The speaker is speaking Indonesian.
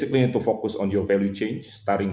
anda harus fokus pada perubahan nilai anda